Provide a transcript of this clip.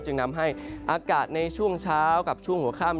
จึงนำให้อากาศในช่วงเช้ากับช่วงหัวค่ำ